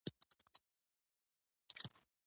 سړک د زیارتونو لار ده.